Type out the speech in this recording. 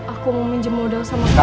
aku mau minjem modal sama kamu